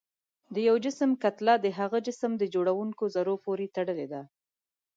د یو جسم کتله د هغه جسم د جوړوونکو ذرو پورې تړلې ده.